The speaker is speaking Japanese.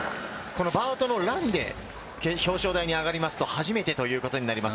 バートのランで表彰台に上がりますと、初めてということになります。